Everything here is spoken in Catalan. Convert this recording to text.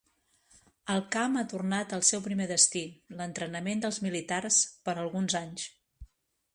El camp ha tornat al seu primer destí, l’entrenament dels militars, per a alguns anys.